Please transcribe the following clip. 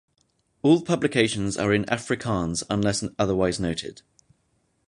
All publications are in Afrikaans unless otherwise noted.